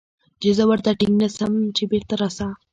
چې زه ورته ټينګ نه سم چې بېرته راسه.